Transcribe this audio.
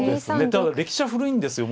ただ歴史は古いんですよ。